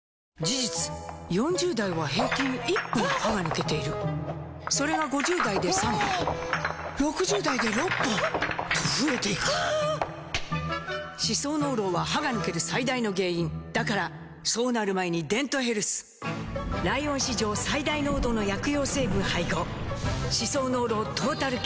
事実４０代は平均１本歯が抜けているそれが５０代で３本６０代で６本と増えていく歯槽膿漏は歯が抜ける最大の原因だからそうなる前に「デントヘルス」ライオン史上最大濃度の薬用成分配合歯槽膿漏トータルケア！